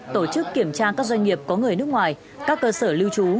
tổ chức kiểm tra các doanh nghiệp có người nước ngoài các cơ sở lưu trú